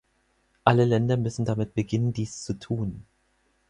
Alle Länder müssen damit beginnen, dies zu tun.